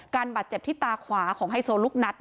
การบัจจัดที่ตาขวาของไฮโซลูกนัด